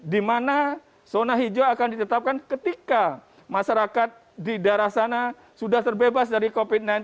di mana zona hijau akan ditetapkan ketika masyarakat di daerah sana sudah terbebas dari covid sembilan belas